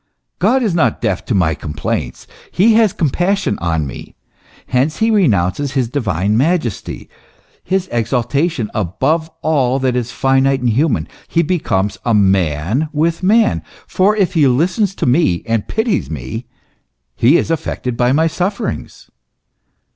God is not deaf to my complaints; he has compassion on me; hence he renounces his divine majesty, his exaltation above all that is finite and human; he becomes a man with man; for if he listens to me, and pities me, he is affected by my sufferings.